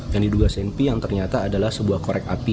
ini dua senpi yang ternyata adalah sebuah korek api